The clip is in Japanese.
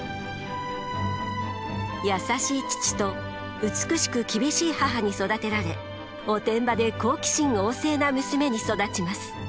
優しい父と美しく厳しい母に育てられおてんばで好奇心旺盛な娘に育ちます。